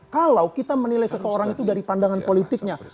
kalau kita menilai seseorang itu dari pandangan politiknya